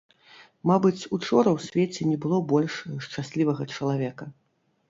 Мабыць, учора ў свеце не было больш шчаслівага чалавека.